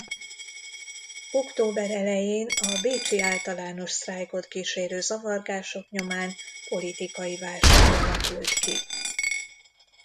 Október elején a bécsi általános sztrájkot kísérő zavargások nyomán politikai válság alakult ki.